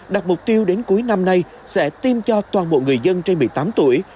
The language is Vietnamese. đặt mục tiêu đến cuối năm nay sẽ tiêm cho toàn bộ người dân trên một mươi tám tuổi